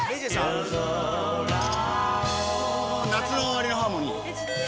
夜空を「夏の終りのハーモニー」